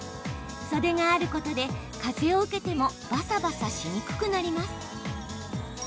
袖があることで、風を受けてもばさばさしにくくなります。